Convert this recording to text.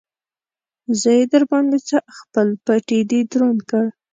زه يې در باندې څه؟! خپل پټېی دې دروند کړ.